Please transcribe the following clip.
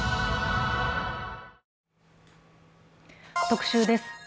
特集です。